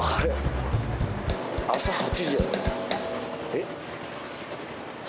えっ？